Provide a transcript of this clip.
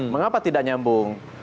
mengapa tidak nyambung